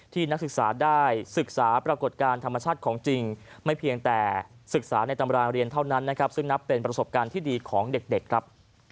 นักศึกษาได้ศึกษาปรากฏการณ์ธรรมชาติของจริงไม่เพียงแต่ศึกษาในตำราเรียนเท่านั้นนะครับซึ่งนับเป็นประสบการณ์ที่ดีของเด็กครับ